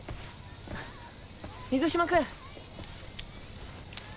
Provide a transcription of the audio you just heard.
水嶋君。